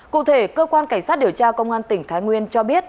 cụ thể cơ quan cảnh sát điều tra công an tỉnh thái nguyên cho biết